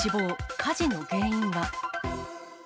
火事の原因は。